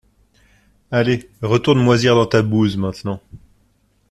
Allez, retourne moisir dans ta bouse maintenant.